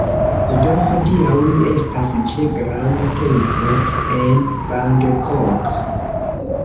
Do hodiaŭ ni estas ĉe granda templo en Bangkok